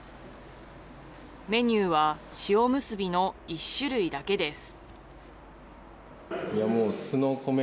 メニューは塩むすびの１種類だけです。